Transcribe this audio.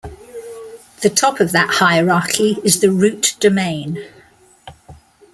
The top of that hierarchy is the root domain.